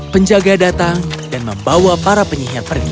penjaga datang dan membawa para penyiar pergi